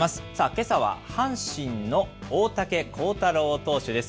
けさは阪神の大竹耕太郎投手です。